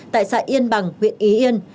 tại xã yên bằng huyện ý yên